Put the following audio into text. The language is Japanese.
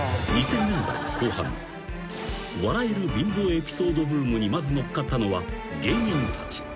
［笑える貧乏エピソードブームにまず乗っかったのは芸人たち］